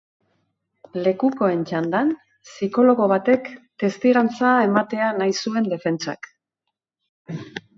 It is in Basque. Lekukoen txandan, psikologo batek testigantza ematea nahi zuen defentsak.